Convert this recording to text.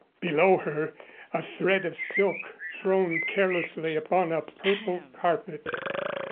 Below her a thread of silk, thrown carelessly upon a purple carpet.